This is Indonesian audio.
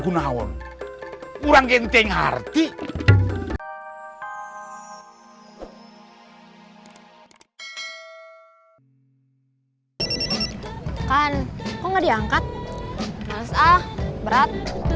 nalis ah berat